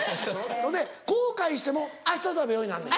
そんで後悔しても「明日食べよう」になんねん。